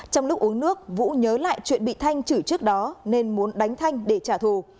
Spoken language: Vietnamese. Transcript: trong lúc uống nước vũ nhớ lại chuyện bị thanh chửi trước đó nên muốn đánh thanh để trả thù